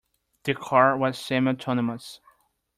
The car was semi-autonomous.